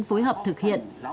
phối hợp thực hiện